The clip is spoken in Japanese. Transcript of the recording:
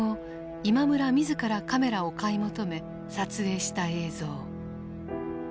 今村自らカメラを買い求め撮影した映像。